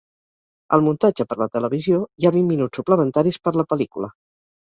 Al muntatge per la televisió, hi ha vint minuts suplementaris per la pel·lícula.